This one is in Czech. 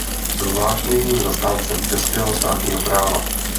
Byl vášnivým zastáncem českého státního práva.